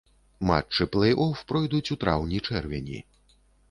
Матчы плэй-оф пройдуць у траўні-чэрвені.